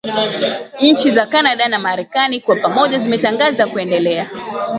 nchi za canada na marekani kwa pamoja zimetangaza kuendelea